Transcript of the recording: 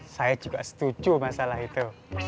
saya juga setuju masalah itu